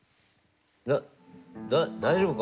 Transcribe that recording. だ大丈夫か？